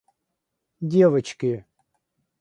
девочки